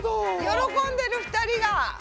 喜んでる２人が。